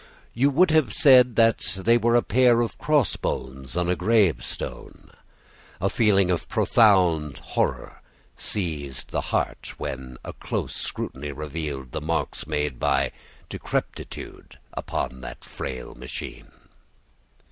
You would have said that they were a pair of cross bones on a gravestone. A feeling of profound horror seized the heart when a close scrutiny revealed the marks made by decrepitude upon that frail machine.